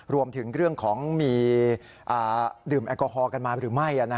รวมถึงเรื่องของมีดื่มแอลกอฮอล์กันมาหรือไม่